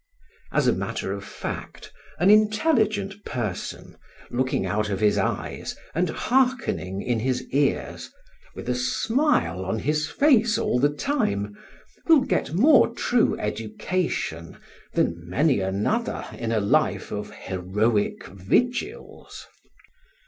As a matter of fact, an intelligent person, looking out of his eyes and hearkening in his ears, with a smile on his face all the time, will get more true education than many another in a life of heroic vigils.